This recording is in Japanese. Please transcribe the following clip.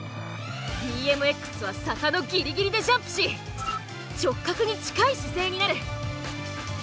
ＢＭＸは坂のギリギリでジャンプし直角に近い姿勢になる。